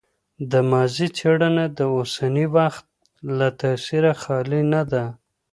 د ماضي څېړنه د اوسني وخت له تاثیره خالي نه ده.